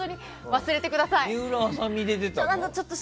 水卜麻美で出たの？